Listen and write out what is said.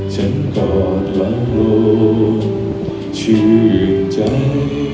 ฉันกอดหลังโลกชื่นใจ